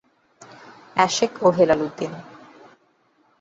আশেক ও হেলাল উদ্দিন।